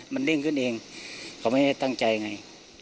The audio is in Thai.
มันเด้งขึ้นเองเขาไม่ได้ตั้งใจไง